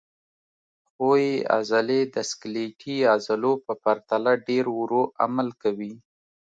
ښویې عضلې د سکلیټي عضلو په پرتله ډېر ورو عمل کوي.